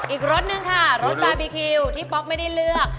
อีกรถหนึ่งค่ะรถบาร์บีคิวที่ป๊อกไม่ได้เลือก